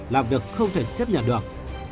làm việc không thể xếp nhận được